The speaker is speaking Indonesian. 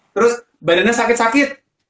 terus badannya sakit sakit